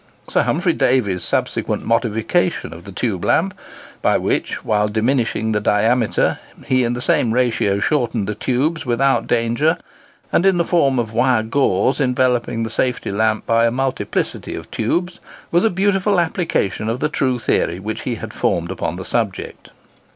Sir Humphry Davy's subsequent modification of the tube lamp, by which, while diminishing the diameter, he in the same ratio shortened the tubes without danger, and in the form of wire gauze enveloped the safety lamp by a multiplicity of tubes, was a beautiful application of the true theory which he had formed upon the subject.